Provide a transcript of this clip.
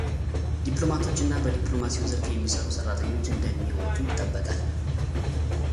ዲፕሎማቶች እና በዲፕሎማሲው ዘርፍ የሚሠሩ ሠራተኞች እንደሚወጡ ይጠበቃል።